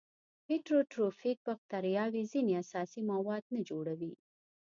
هیټروټروفیک باکتریاوې ځینې اساسي مواد نه جوړوي.